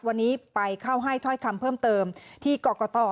วันนี้ไปเข้าให้ถ้อยคำเพิ่มเติมที่กรกต